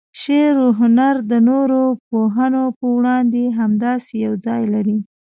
شعر و هنر د نورو پوهنو په وړاندې همداسې یو ځای لري.